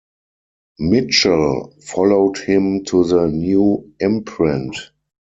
Mitchell - followed him to the new imprint.